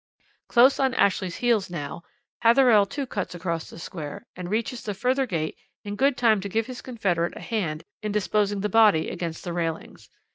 "Close on Ashley's heels now, Hatherell too cuts across the Square, and reaches the further gate in good time to give his confederate a hand in disposing the body against the railings.